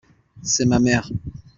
C'est ma mère.